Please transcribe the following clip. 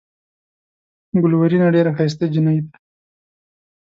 ګلورينه ډېره ښائسته جينۍ ده۔